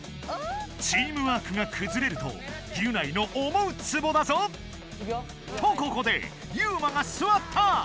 チームワークがくずれるとギュナイの思うつぼだぞ！とここでユウマがすわった！